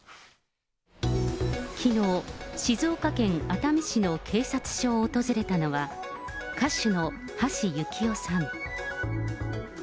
きのう、静岡県熱海市の警察署を訪れたのは、歌手の橋幸夫さん。